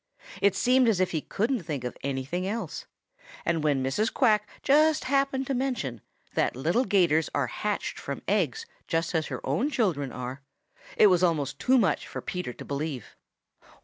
It seemed as if he couldn't think of anything else. And when Mrs. Quack just happened to mention that little 'Gators are hatched from eggs just as her own children are, it was almost too much for Peter to believe.